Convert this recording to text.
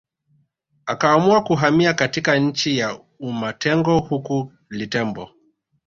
Akaamua kuhamia katika nchi ya umatengo huko Litembo